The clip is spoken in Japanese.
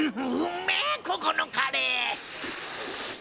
ここのカレー！